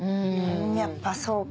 やっぱそうか。